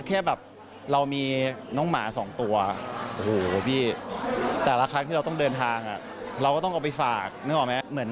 แค่แบบเรามีน้องหมาสองตัวโอ้โหพี่แต่ละครั้งที่เราต้องเดินทางเราก็ต้องเอาไปฝากนึกออกไหม